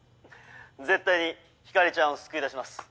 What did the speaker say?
絶対に光莉ちゃんを救い出します。